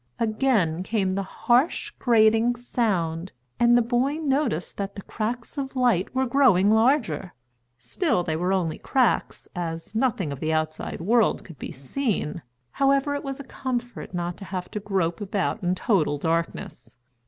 Again came the harsh, grating sound, and the boy noticed that the cracks of light were growing larger. Still they were only cracks, as nothing of the outside world could be seen. However, it was a comfort not to have to grope about in total darkness.